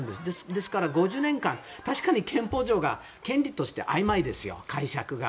ですから、５０年間確かに憲法上、権利としてあいまいですよ、解釈が。